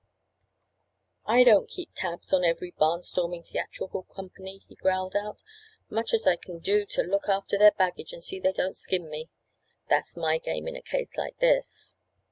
"I don't keep tabs on every barn storming theatrical company," he growled out. "Much as I kin do to look after their baggage and see they don't skin me—that's my game in a case like this."